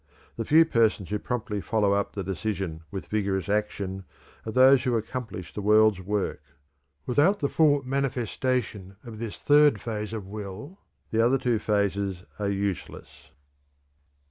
The few persons who promptly follow up the decision with vigorous action are those who accomplish the world's work. Without the full manifestation of this third phase of will the other two phases are useless.